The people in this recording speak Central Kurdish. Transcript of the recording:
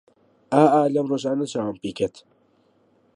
ئا ئا لەم ڕۆژانە چاوم پێی کەت